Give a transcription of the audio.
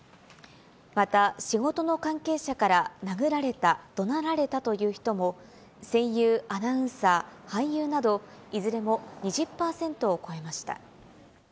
また仕事の関係者から殴られた・どなられたという人も声優・アナウンサー、俳優などいずれも２０％を超えました。